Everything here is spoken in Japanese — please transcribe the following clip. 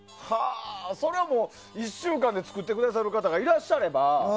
それはもう１週間で作ってくださる方がいらっしゃれば。